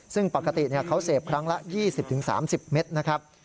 ซึ่งปกติเขาเสพครั้งละ๒๐๓๐เมตรนะครับ